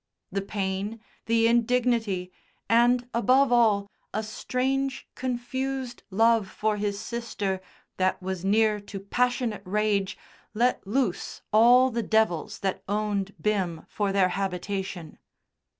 The pain, the indignity, and, above all, a strange confused love for his sister that was near to passionate rage, let loose all the devils that owned Bim for their habitation.